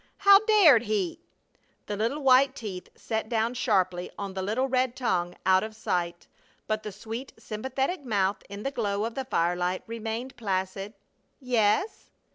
How dared he! The little white teeth set down sharply on the little red tongue out of sight, but the sweet, sympathetic mouth in the glow of the firelight remained placid. "Yes?"